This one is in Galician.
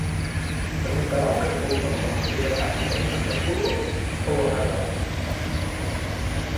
Presentarán o recurso no Constitucional e en Estrasburgo ou agardarán?